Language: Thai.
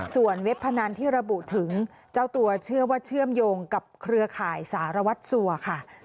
ส่วนเว็บพนันที่ระบุถึงเจ้าตัวเชื่อว่าเชื่อมโยงกับเครือข่ายสารวัตรสัวค่ะ